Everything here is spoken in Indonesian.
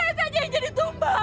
biar kan saya saja yang jadi tumbal